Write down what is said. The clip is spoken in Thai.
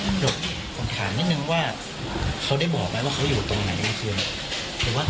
นี่คือคำถามนิดนึงว่าเขาได้บอกไปว่าเขาอยู่ตรงไหนเมื่อคืน